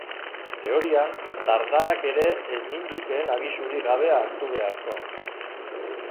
Teorian, dardarak ere ez nindukeen abisurik gabe hartu beharko.